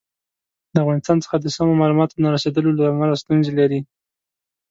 د افغانستان څخه د سمو معلوماتو نه رسېدلو له امله ستونزې لري.